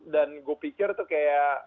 gue pikir tuh kayak